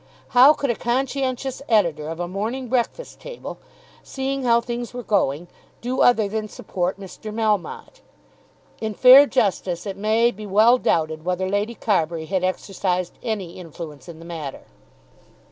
How could a conscientious Editor of a "Morning Breakfast Table," seeing how things were going, do other than support Mr. Melmotte? In fair justice it may be well doubted whether Lady Carbury had exercised any influence in the matter.